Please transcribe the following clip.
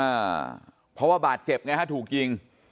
อ่าเพราะว่าบาดเจ็บไงฮะถูกยิง